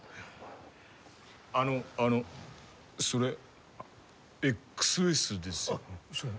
あのあのそれＸＳですよ。